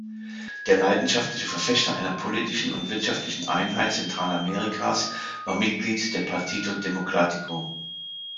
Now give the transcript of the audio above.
Der leidenschaftliche Verfechter einer politischen und wirtschaftlichen Einheit Zentralamerikas war Mitglied der Partido Democrático.